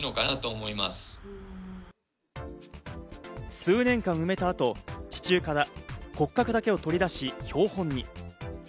数年間埋めたあと、地中から骨格だけを取り出し標本に。